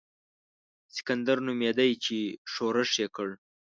سکندر نومېدی چې ښورښ یې کړ.